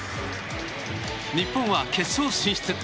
日本は決勝進出！